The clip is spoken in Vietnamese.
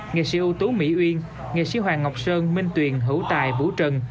nghệ sĩ ưu tú mỹ uyên nghệ sĩ hoàng ngọc sơn minh tuyền hữu tài bú trần